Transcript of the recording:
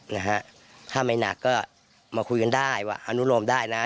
นะฮะถ้าไม่หนักก็มาคุยกันได้ว่าอนุโลมได้นะ